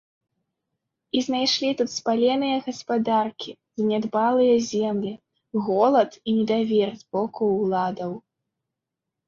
І знайшлі тут спаленыя гаспадаркі, занядбаныя землі, голад і недавер з боку ўладаў.